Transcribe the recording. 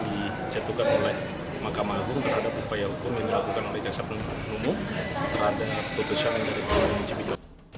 dijatuhkan oleh mahkamah agung terhadap upaya hukum yang dilakukan oleh caksa pengumum terhadap keputusan dari pengadilan negeri cibinong